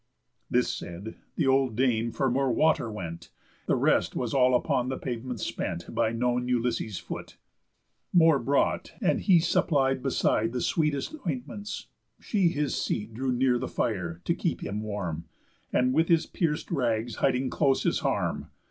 This said, the old dame for more water went, The rest was all upon the pavement spent By known Ulysses' foot. More brought, and he Supplied beside with sweetest ointments, she His seat drew near the fire, to keep him warm, And with his piec'd rags hiding close his harm.